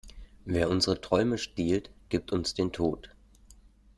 Wer unsere Träume stiehlt, gibt uns den Tod.